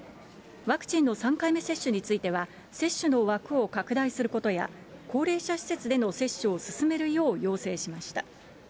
ワクチンの３回目接種については、接種の枠を拡大することや、高齢者施設での接種を進めるよう要請しました。